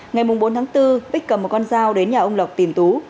ngày bốn tháng bốn bích cầm một con dao đến nhà ông lộc tìm tú